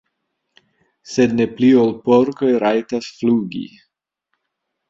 sed ne pli ol porkoj rajtas flugi.